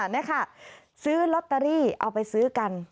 นี่ค่ะซื้อลอตเตอรี่เอาไปซื้อกัน